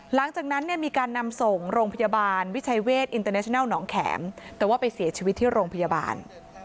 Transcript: หลังจากนั้นเนี่ยมีการนำส่งโรงพยาบาลวิชัยเวทอินเตอร์เนชนัลหนองแข็มแต่ว่าไปเสียชีวิตที่โรงพยาบาล